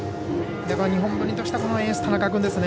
日本文理としてはエースの田中君ですね。